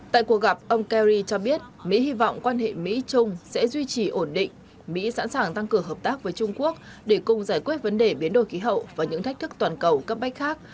tại cuộc gặp ông kari cho biết mỹ hy vọng quan hệ mỹ trung sẽ duy trì ổn định mỹ sẵn sàng tăng cường hợp tác với trung quốc để cùng giải quyết vấn đề biến đổi khí hậu và những thách thức toàn cầu cấp bách khác